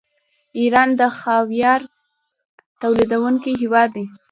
ایران د خاویار تولیدونکی هیواد دی.